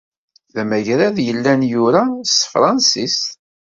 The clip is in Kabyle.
D amgrad yellan yura s tefransist.